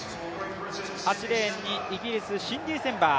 ８レーンにイギリスのシンディ・センバー。